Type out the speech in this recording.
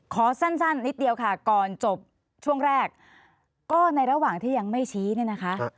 ขอสั้นนิดเดียวค่ะก่อนจบช่วงแรกก็ในระหว่างที่ยังไม่ชี้เนี่ยนะคะ